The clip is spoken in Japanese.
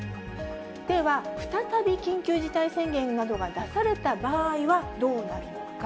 では、再び、緊急事態宣言などが出された場合はどうなるのか。